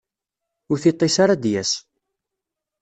Ur tiṭ-is ara ad d-yas.